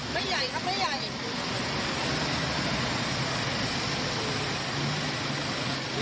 ไม่ใหญ่ครับไม่ใหญ่